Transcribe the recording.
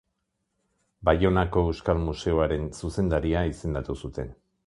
Baionako Euskal Museoaren zuzendaria izendatu zuten.